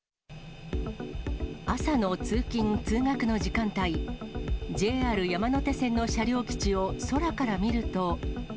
朝の通勤・通学の時間帯、ＪＲ山手線の車両基地を空から見ると。